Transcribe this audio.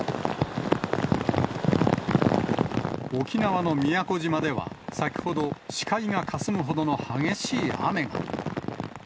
沖縄の宮古島では、先ほど、視界がかすむほどの激しい雨が。